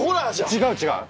違う違う！